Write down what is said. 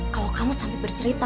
kalo kamu sampe bercerita